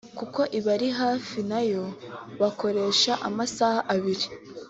kuko ibari hafi nayo bakoresha amasaha abiri